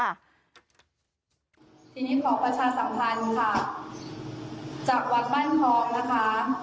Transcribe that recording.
ทีนี้ขอประชาสัมพันธ์ค่ะจากวัดบ้านทองนะคะ